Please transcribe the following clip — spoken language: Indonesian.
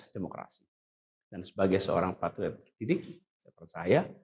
dan sebagai seorang patriot ketidik saya percaya